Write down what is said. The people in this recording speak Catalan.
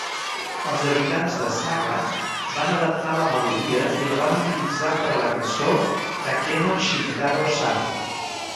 Els habitants de Saga van adaptar la melodia i la van utilitzar per a la cançó "Takeno Shintaro-san".